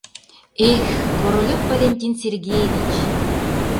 Эх, Королёв Валентин Сергеевич!